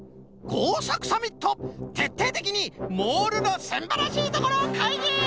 こうさくサミットてっていてきにモールのすんばらしいところかいぎ！